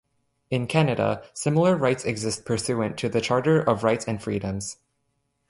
In Canada, similar rights exist pursuant to the "Charter of Rights and Freedoms".